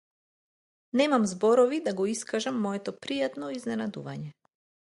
Немам зборови да го искажам моето пријатно изненадување.